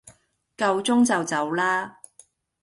夠鐘就走啦!